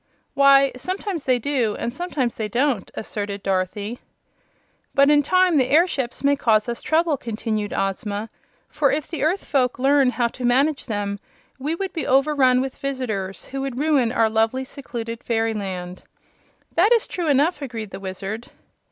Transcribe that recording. "Why, sometimes they do, and sometimes they don't," asserted Dorothy. "But in time the airships may cause us trouble," continued Ozma, "for if the earth folk learn how to manage them we would be overrun with visitors who would ruin our lovely, secluded fairyland." "That is true enough," agreed the Wizard.